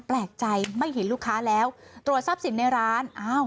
แปลกใจไม่เห็นลูกค้าแล้วตรวจทรัพย์สินในร้านอ้าว